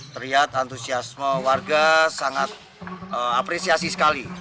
terlihat antusiasme warga sangat apresiasi sekali